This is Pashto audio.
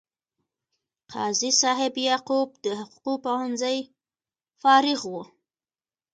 قاضي صاحب یعقوب د حقوقو پوهنځي فارغ و.